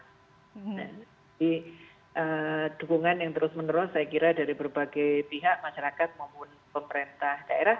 jadi dukungan yang terus menerus saya kira dari berbagai pihak masyarakat maupun pemerintah daerah